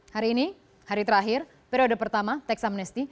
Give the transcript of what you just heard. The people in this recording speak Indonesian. hari ini hari terakhir periode pertama teksamnesti